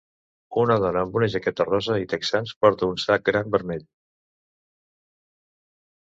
Una dona amb una jaqueta rosa i texans porta un sac gran vermell.